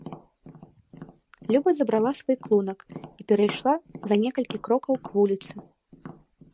Люба забрала свой клунак і перайшла за некалькі крокаў к вуліцы.